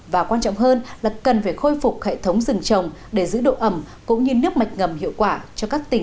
và quan trọng hơn là cần phải khôi phục hệ thống rừng trồng để giữ độ ẩm cũng như nước mạch ngầm hiệu quả